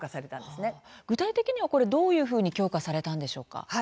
具体的には、これどういうふうに強化されたんでしょうか。